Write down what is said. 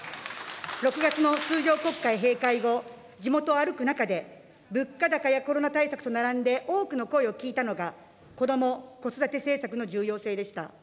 ６月の通常国会閉会後、地元を歩く中で、物価高やコロナ対策と並んで多くの声を聞いたのが、子ども・子育て政策の重要性でした。